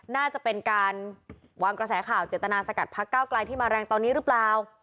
น่าจะเป็นการวางกระแสข่าวเจตนาสกัดพักเก้าไกลที่มาแรงตอนนี้หรือเปล่า